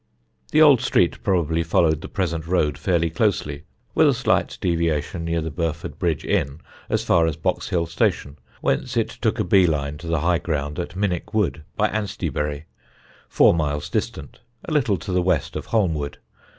The old street probably followed the present road fairly closely, with a slight deviation near the Burford Bridge Inn, as far as Boxhill Station, whence it took a bee line to the high ground at Minnickwood by Anstiebury, four miles distant, a little to the west of Holmwood.